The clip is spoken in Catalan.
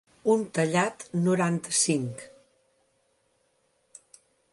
Un tallat noranta-cinc.